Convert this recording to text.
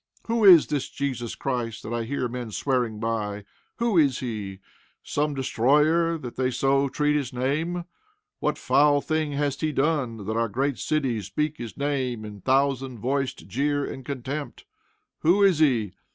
Who is this Jesus Christ that I hear men swearing by? Who is he? Some destroyer, that they so treat his name? What foul thing hath he done, that our great cities speak his name in thousand voiced jeer and contempt? Who is he?